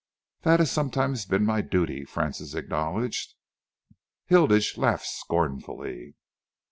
"That has sometimes been my duty," Francis acknowledged. Hilditch laughed scornfully.